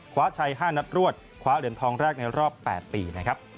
คว้าชัย๕นัดรวดคว้าเหรียญทองแรกในรอบ๘ปีนะครับ